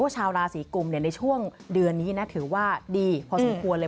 ชาวราศีกุมในช่วงเดือนนี้ถือว่าดีพอสมควรเลย